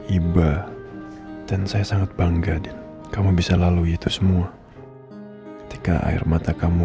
iba dan saya sangat bangga dan kamu bisa lalui itu semua ketika air mata kamu